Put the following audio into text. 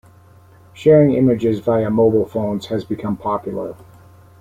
Sharing images via mobile phones has become popular.